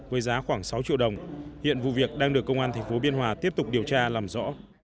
với giá khoảng sáu triệu đồng hiện vụ việc đang được công an tp biên hòa tiếp tục điều tra làm rõ